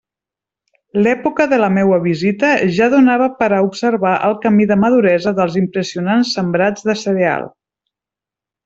L'època de la meua visita ja donava per a observar el camí de maduresa dels impressionants sembrats de cereal.